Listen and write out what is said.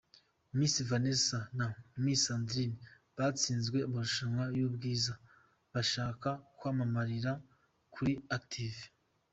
Miss Vanessa na Miss Sandra batsinzwe amarushanwa y’ubwiza, bashaka kwamamarira kuri Active ?.